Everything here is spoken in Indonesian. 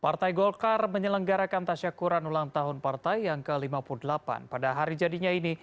partai golkar menyelenggarakan tasyakuran ulang tahun partai yang ke lima puluh delapan pada hari jadinya ini